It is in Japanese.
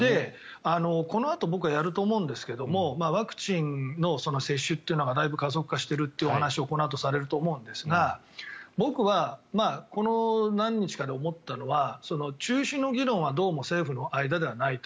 このあとやると思いますがワクチンの接種がだいぶ加速化しているという話をこのあとされると思うんですが僕は、この何日かで思ったのは中止の議論はどうも政府の間でないと。